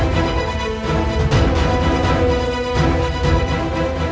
dimana jalan menuju istana gandara